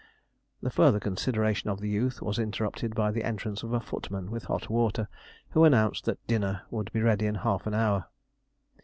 The further consideration of the youth was interrupted by the entrance of a footman with hot water, who announced that dinner would be ready in half an hour.